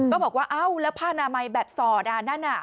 ก็บอกว่าเอ้าแล้วภานะไหมแบบสอดอานั่นน่ะ